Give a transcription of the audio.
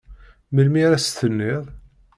Melmi ara as-tenniḍ?